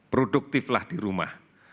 produktiflah di rumah